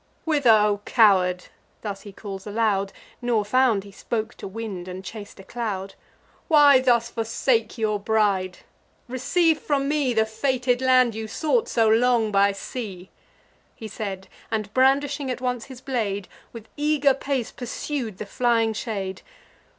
"Whether, O coward?" (thus he calls aloud, Nor found he spoke to wind, and chas'd a cloud,) "Why thus forsake your bride! Receive from me The fated land you sought so long by sea." He said, and, brandishing at once his blade, With eager pace pursued the flying shade.